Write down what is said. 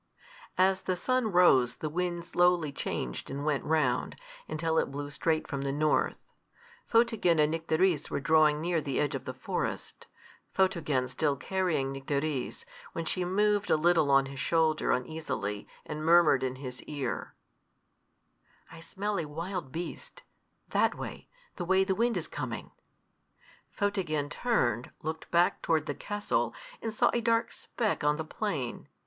As the sun rose, the wind slowly changed and went round, until it blew straight from the north. Photogen and Nycteris were drawing near the edge of the forest, Photogen still carrying Nycteris, when she moved a little on his shoulder uneasily, and murmured in his ear, "I smell a wild beast that way, the way the wind is coming." [Illustration: "IT TUMBLED HEELS OVER HEAD WITH A GREAT THUD."] Photogen turned, looked back toward the castle, and saw a dark speck on the plain.